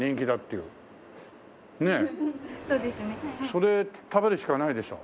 それ食べるしかないでしょ。